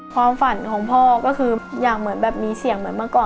ความฝันของพ่อก็คืออยากเหมือนแบบมีเสียงเหมือนเมื่อก่อน